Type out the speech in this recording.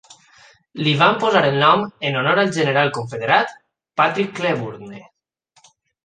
Li van posar el nom en honor al general confederat Patrick Cleburne.